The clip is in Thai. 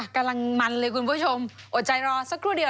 กำลังมันเลยคุณผู้ชมอดใจรอสักครู่เดียว